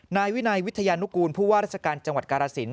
นายวินัยวิทยานุกูลผู้ว่าราชการจังหวัดกาลสิน